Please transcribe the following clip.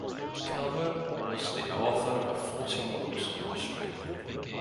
Calvert was the author of fourteen books on Australia.